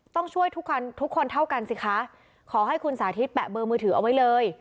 ต้องช่วยทุกคนทุกคนเท่ากันสิคะขอให้คุณสาธิตแปะเบอร์มือถือเอาไว้เลย